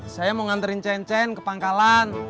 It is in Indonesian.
saya mau nganterin cen cen ke pangkalan